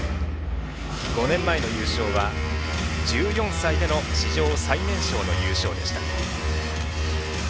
５年前の優勝は１４歳での史上最年少の優勝でした。